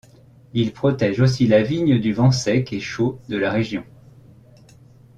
Ils protègent aussi la vigne du vent sec et chaud de la région.